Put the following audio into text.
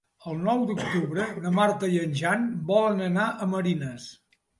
El nou d'octubre na Marta i en Jan volen anar a Marines.